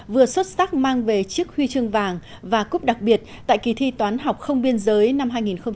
vừa xuất sắc mang về chiếc huy chương vàng và cúp đặc biệt tại kỳ thi toán học không biên giới năm hai nghìn một mươi tám